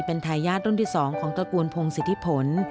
เป็นทายาทรุ่นที่๒ของตระกูลพงศิษฐิผล